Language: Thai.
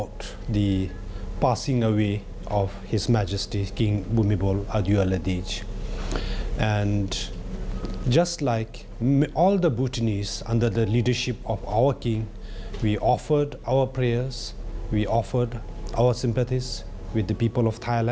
แต่มีความรู้สึกว่าถ้าคุณอยู่ที่ไทย